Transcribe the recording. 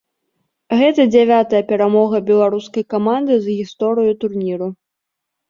Гэта дзявятая перамога беларускай каманды за гісторыю турніру.